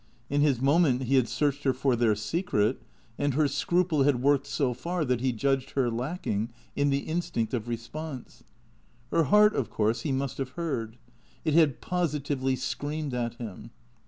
In his moment he had searched her for their secret, and her scruple had worked so far that he judged her lacking in the instinct of response. Her heart, of course, he must have heard. It had positively screamed at him.